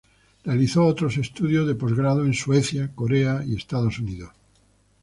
Realizó otros estudios de postgrado en Suecia, Corea y Estados Unidos.